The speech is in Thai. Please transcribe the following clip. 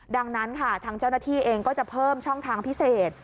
ดังนั้นค่ะทางเจ้าหน้าที่เองก็จะเพิ่มช่องทางพิเศษ